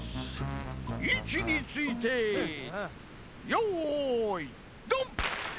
いちについてよいドン！